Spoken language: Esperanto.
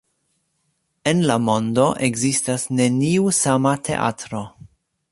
En la mondo ekzistas neniu sama teatro.